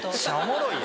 おもろい。